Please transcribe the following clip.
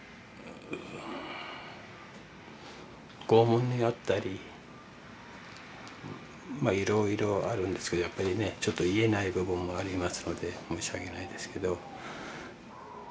拷問に遭ったりまあいろいろあるんですけどやっぱりねちょっと言えない部分もありますので申し訳ないですけど。